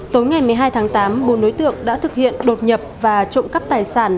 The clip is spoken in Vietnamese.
tối ngày một mươi hai tháng tám bốn đối tượng đã thực hiện đột nhập và trộm cắp tài sản